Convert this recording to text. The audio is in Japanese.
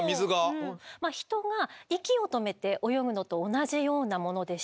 人が息を止めて泳ぐのと同じようなものでして。